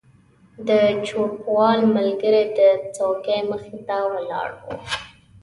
د چوپړوال ملګری د څوکۍ مخې ته ولاړ و.